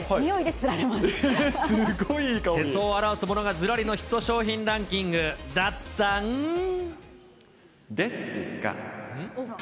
世相を表すものがずらりのヒット商品ランキングだったん。ですが。